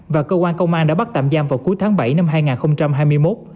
và cơ quan công an đã bắt tạm giam vào cuối tháng bảy năm hai nghìn hai mươi một